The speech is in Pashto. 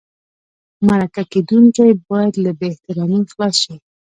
مرکه کېدونکی باید له بې احترامۍ خلاص شي.